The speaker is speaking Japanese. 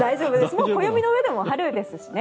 もう暦のうえでも春ですしね。